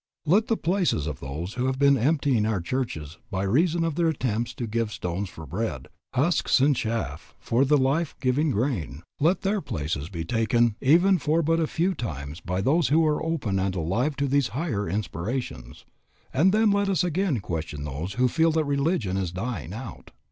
Let the places of those who have been emptying our churches by reason of their attempts to give stones for bread, husks and chaff for the life giving grain, let their places be taken even for but a few times by those who are open and alive to these higher inspirations, and then let us again question those who feel that religion is dying out.